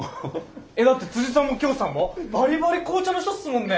だってさんもきょーさんもバリバリ紅茶の人っすもんね。